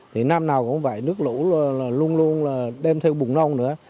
thì năm nào cũng vậy nước lũ luôn luôn đem theo bùn non nữa